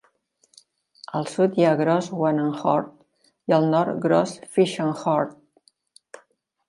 Al sud hi ha Gross Wannenhorn i al nord Gross Fiescherhorn.